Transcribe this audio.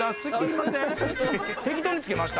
適当につけました？